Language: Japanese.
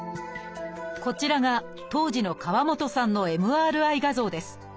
こちらが当時の河本さんのＭＲＩ画像です。